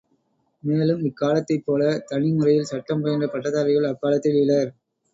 மேலும் இக்காலத்தைப் போலத் தனி முறையில் சட்டம் பயின்ற பட்டதாரிகள் அக்காலத்தில் இலர்.